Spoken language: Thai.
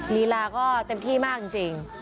ลีลาก็เต็มที่มากจริง